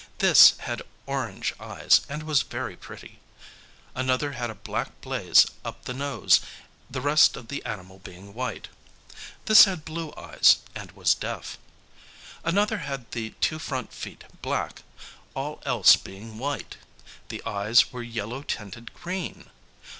This had orange eyes, and was very pretty. Another had a black blaze up the nose, the rest of the animal being white. This had blue eyes, and was deaf. Another had the two front feet black, all else being white; the eyes were yellow tinted green.